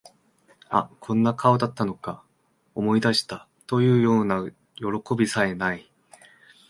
あ、こんな顔だったのか、思い出した、というようなよろこびさえ無い